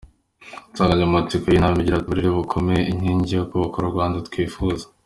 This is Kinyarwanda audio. Insanganyamatsiko y’iyi nama igira iti “ Uburere buboneye: Inkingi yo kubaka u Rwanda twifuza.